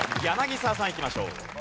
柳澤さんいきましょう。